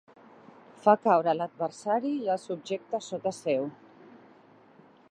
Fa caure l'adversari i el subjecta sota seu.